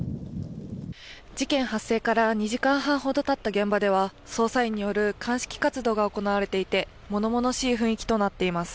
事件発生から２時間半ほどたった現場では捜査員による鑑識活動が行われていてものものしい雰囲気となっています。